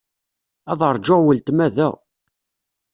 Ad ṛjuɣ weltma da.